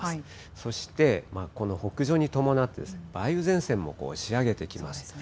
そしてこの北上に伴って、梅雨前線も押し上げてきます。